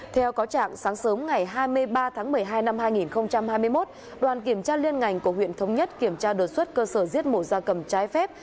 theo cáo trạng sáng sớm ngày hai mươi ba tháng một mươi hai năm hai nghìn hai mươi một đoàn kiểm tra liên ngành của huyện thống nhất kiểm tra đột xuất cơ sở giết mổ ra cầm trái phép